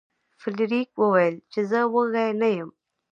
فلیریک وویل چې زه وږی نه یم.